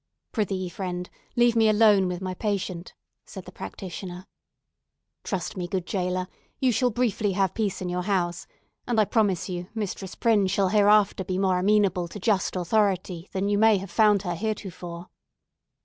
"Prithee, friend, leave me alone with my patient," said the practitioner. "Trust me, good jailer, you shall briefly have peace in your house; and, I promise you, Mistress Prynne shall hereafter be more amenable to just authority than you may have found her heretofore."